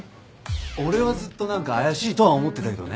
俺はずっと何か怪しいとは思ってたけどね。